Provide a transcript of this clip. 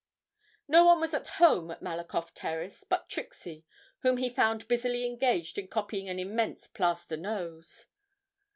No one was at home at Malakoff Terrace but Trixie, whom he found busily engaged in copying an immense plaster nose.